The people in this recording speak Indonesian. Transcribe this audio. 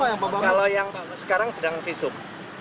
kalau yang pak bambang sekarang sedang visum